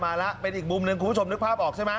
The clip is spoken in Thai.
มาแล้วเป็นอีกมุมหนึ่งคุณผู้ชมนึกภาพออกใช่ไหม